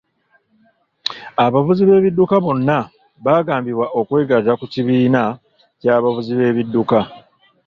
Abavuzi b'ebidduka bonna baagambibwa okwegatta ku kibiina ky'abavuzi b'ebidduka.